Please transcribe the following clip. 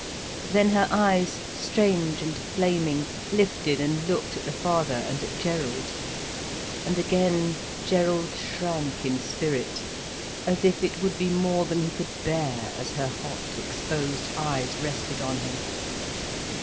Then her eyes, strange and flaming, lifted and looked at the father, and at Gerald. And again Gerald shrank in spirit, as if it would be more than he could bear, as her hot, exposed eyes rested on him.